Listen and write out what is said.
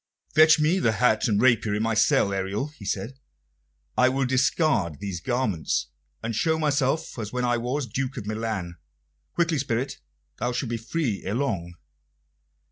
"Fetch me the hat and rapier in my cell, Ariel," he said. "I will discard these garments, and show myself as when I was Duke of Milan. Quickly, spirit! Thou shalt be free ere long."